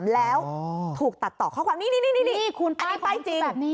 แล้วถูกตัดต่อข้อความนี้นี่คุณอันนี้ป้ายจริง